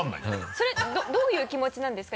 それどういう気持ちなんですか？